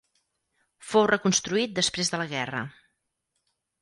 Fou reconstruït després de la guerra.